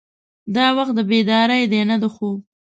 دا وخت د بیدارۍ دی نه د خوب.